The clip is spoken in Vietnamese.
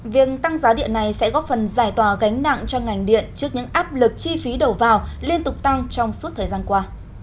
việc tăng giá điện này sẽ góp phần giải tòa gánh nặng cho ngành điện trước những áp lực chi phí đổ vào liên tục tăng trong suốt thời gian qua